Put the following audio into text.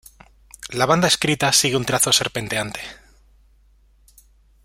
La banda escrita sigue un trazo serpenteante.